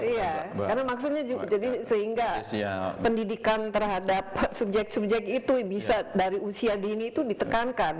iya karena maksudnya sehingga pendidikan terhadap subjek subjek itu bisa dari usia dini itu ditekankan